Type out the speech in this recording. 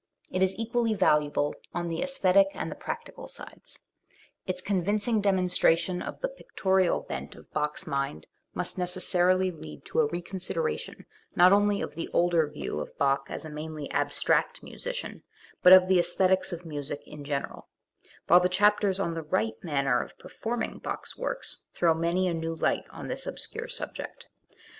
It is equally valuable on the xsthetic and the practical sides; its convincing demonstration of the pictorial bent of Bach's mind must necessarily lead to a reconsideration not only of the older view of Bach as a mainly "abstract" musician, but of the aesthetics of music in general; while the chapters on the right manner of per forming Bach's works throw many a new light on this obscure subject.